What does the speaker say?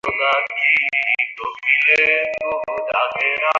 যদি লোককে বলা যায়, তুমি সর্বব্যাপী অনন্ত-পুরুষ, সে ভয় পায়।